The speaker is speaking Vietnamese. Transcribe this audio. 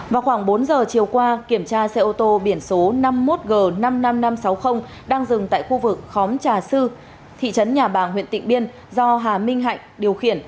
vào khoảng bốn giờ chiều qua kiểm tra xe ô tô biển số năm mươi một g năm mươi năm nghìn năm trăm sáu mươi đang dừng tại khu vực khóm trà sư thị trấn nhà bàng huyện tịnh biên do hà minh hạnh điều khiển